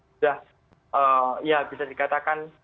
sudah ya bisa dikatakan